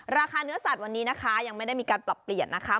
ราคาเนื้อสัตว์วันนี้นะคะยังไม่ได้มีการปรับเปลี่ยนนะคะ